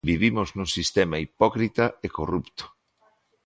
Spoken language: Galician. Vivimos nun sistema hipócrita e corrupto.